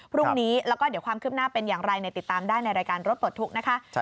พรุ่งนี้แล้วก็เดี๋ยวความคืบหน้าเป็นอย่างไรติดตามได้ในรายการรถปลดทุกข์นะคะ